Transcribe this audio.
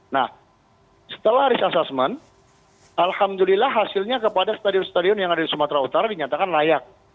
nah setelah risk assessment alhamdulillah hasilnya kepada stadion stadion yang ada di sumatera utara dinyatakan layak